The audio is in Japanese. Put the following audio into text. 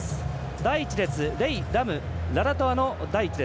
第１列、レイ、ラムアラアラトアの第１列。